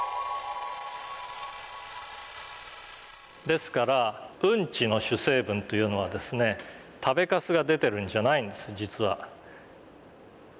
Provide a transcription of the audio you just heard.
ですからうんちの主成分というのはですね食べかすが出てるんじゃないんです実は。